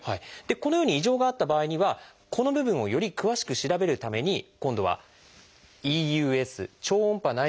このように異常があった場合にはこの部分をより詳しく調べるために今度は「ＥＵＳ」を行います。